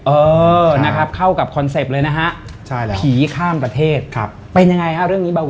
เออนะครับเข้ากับคอนเซ็ปต์เลยนะฮะผีข้ามประเทศครับเป็นยังไงฮะเรื่องนี้เบา